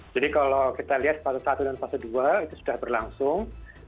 jadi kalau kita lihat fase satu dan fase dua itu sudah berlangsung